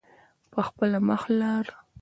په خپله مخ لاړ.